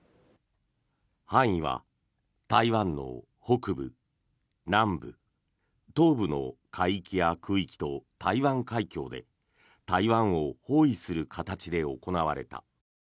範囲は台湾の北部、南部、東部の海域や空域と台湾海峡で台湾を包囲する形で行われた。